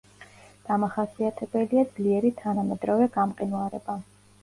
დამახასიათებელია ძლიერი თანამედროვე გამყინვარება.